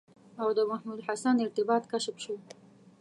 او د محمودالحسن ارتباط کشف شو.